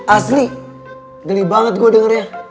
asli geli banget gue dengernya